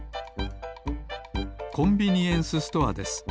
コンビニエンスストアです。